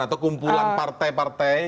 atau kumpulan partai partai